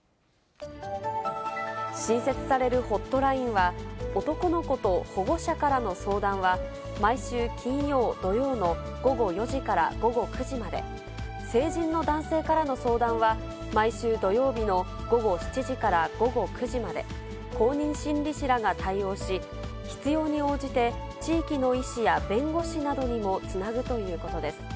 新設されるホットラインは、男の子と保護者からの相談は、毎週金曜、土曜の午後４時から午後９時まで、成人の男性からの相談は、毎週土曜日の午後７時から午後９時まで、公認心理師らが対応し、必要に応じて、地域の医師や弁護士などにもつなぐということです。